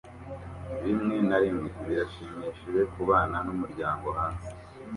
Rimwe na rimwe, birashimishije kubana n'umuryango hanze